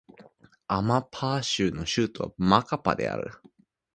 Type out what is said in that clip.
アマパー州の州都はマカパである